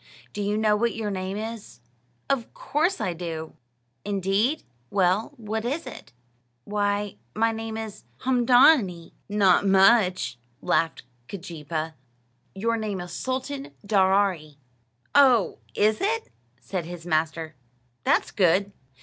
"Do you know what your name is?" "Of course I do." "Indeed? Well, what is it?" "Why, my name is Haamdaanee." "Not much," laughed Keejeepaa; "your name is Sultan Daaraaee." "Oh, is it?" said his master. "That's good."